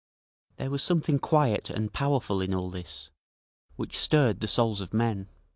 There was something quiet and powerful in all this, which stirred the souls of men.